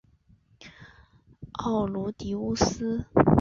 奥卢狄乌斯。